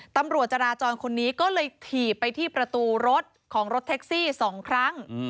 ตำรวจจราจรคนนี้ก็เลยถีบไปที่ประตูรถของรถแท็กซี่๒ครั้ง